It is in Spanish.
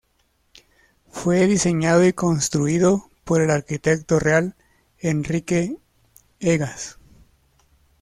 Fue diseñado y construido por el arquitecto real Enrique Egas.